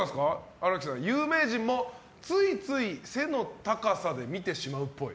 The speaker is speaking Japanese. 荒木さん有名人もついつい背の高さで見てしまうっぽい。